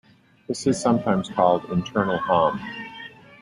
This is sometimes called internal Hom.